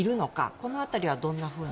この辺りはどんなふうに。